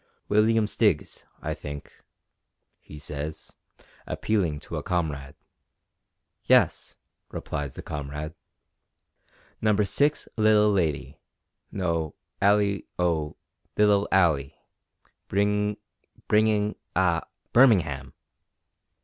"William Stiggs, I think," he says, appealing to a comrade. "Yes," replies the comrade, "number six little lady no aly oh, Little Alley, Bring Bringing ah, Birmingham!"